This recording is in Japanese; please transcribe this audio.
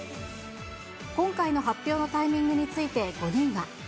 今回の発表のタイミングについて５人は。